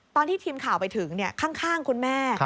ตอนที่ทีมข่าวไปถึงข้างคุณแม่